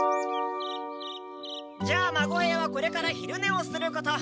じゃあ孫兵はこれから昼ねをすること。